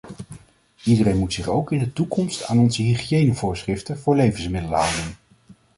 Iedereen moet zich ook in de toekomst aan onze hygiënevoorschriften voor levensmiddelen houden.